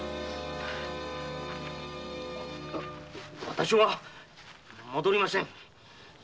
私は戻りません。